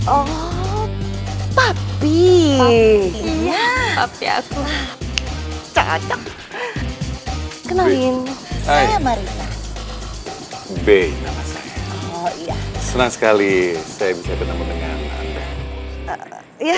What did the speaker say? oh papi papi aku cacat kenalin saya marina b senang sekali saya bisa bertemu dengan anda